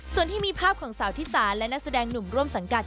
ส่วนที่มีภาพของสาวธิสาและนักแสดงหนุ่มร่วมสังกัด